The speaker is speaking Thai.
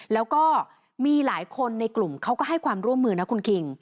แล้วก็มีหลายคนในกลุ่มเขาก็ให้ความร่วมมือนะคุณคิง